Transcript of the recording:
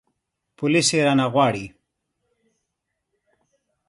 پوليس يې رانه غواړي.